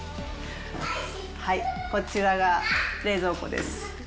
こちらが冷蔵庫です。